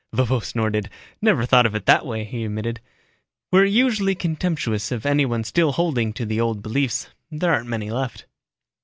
Vovo snorted. "Never thought of it that way," he admitted. "We're usually contemptuous of anyone still holding to the old beliefs. There aren't many left."